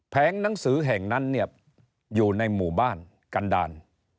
หนังสือแห่งนั้นเนี่ยอยู่ในหมู่บ้านกันดาล